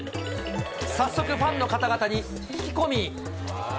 早速、ファンの方々に聞き込み。